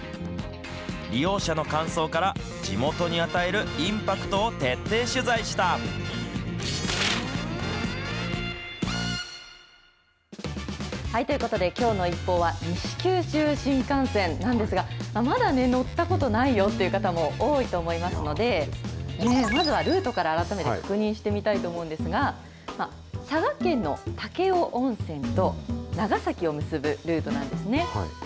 利用者の感想から、地元に与えるインパクトを徹底取材した。ということで、きょうのＩＰＰＯＵは、西九州新幹線なんですが、まだね、乗ったことないよという方も多いと思いますので、まずはルートから改めて確認してみたいと思うんですが、佐賀県の武雄温泉と、長崎を結ぶルートなんですね。